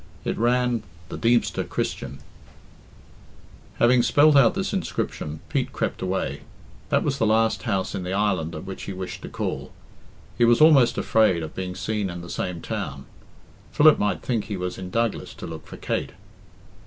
It ran The Deemster Christian. Having spelt out this inscription, Pete crept away. That was the last house in the island at which he wished to call. He was almost afraid of being seen in the same town. Philip might think he was in Douglas to look for Kate.